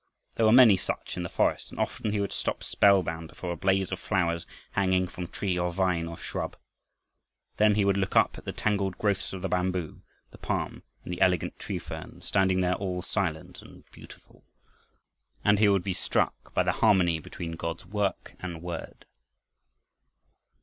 There were many such in the forest, and often he would stop spellbound before a blaze of flowers hanging from tree or vine or shrub. Then he would look up at the tangled growths of the bamboo, the palm, and the elegant tree fern, standing there all silent and beautiful, and he would be struck by the harmony between God's work and Word.